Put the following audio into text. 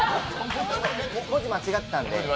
ちょっと文字間違ってたんで。